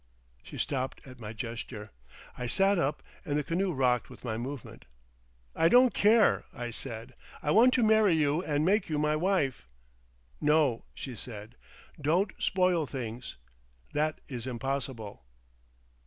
She stopped at my gesture. I sat up, and the canoe rocked with my movement. "I don't care," I said. "I want to marry you and make you my wife!" "No," she said, "don't spoil things. That is impossible!"